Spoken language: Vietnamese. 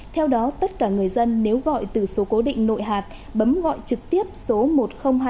theo đó tất cả người dân nếu gọi từ số cố định nội hạt bấm gọi trực tiếp số một nghìn hai mươi hai